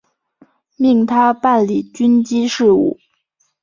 命他办理军机事务。